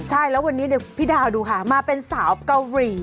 ใช่แล้ววันนี้พี่ดาดูค่ะมาเป็นสาวกาหลี